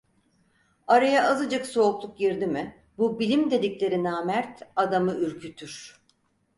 Araya azıcık soğukluk girdi mi bu bilim dedikleri namert, adamı ürkütür.